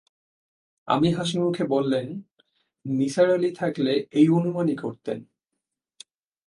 আমি হাসিমুখে বললেন, নিসার আলি থাকলে এই অনুমানই করতেন।